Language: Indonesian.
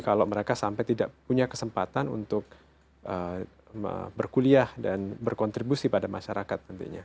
kalau mereka sampai tidak punya kesempatan untuk berkuliah dan berkontribusi pada masyarakat